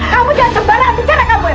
kamu jangan sembarangan bicara kamu